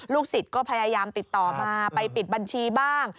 สิทธิ์ก็พยายามติดต่อมาไปปิดบัญชีบ้าง